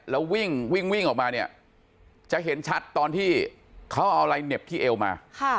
แล้ววิ่งวิ่งออกมาเนี่ยจะเห็นชัดตอนที่เขาเอาอะไรเหน็บที่เอวมา